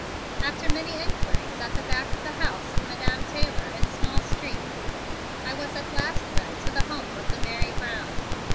After many inquiries at the back of the house of Madam Taylor in small streets I was at last led to the home of the Mary Brown.